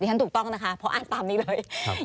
นี่ครับถูกต้องนะคะเพราะอ่านตามนี้เลย